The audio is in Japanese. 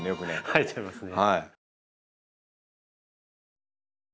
生えちゃいますね。